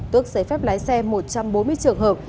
tước giấy phép lái xe một trăm bốn mươi trường hợp